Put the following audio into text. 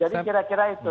jadi kira kira itu